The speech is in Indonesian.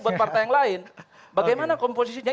buat partai yang lain bagaimana komposisinya